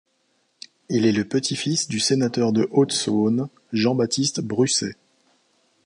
Il est le petit-fils du sénateur de Haute-Saône Jean-Baptiste Brusset.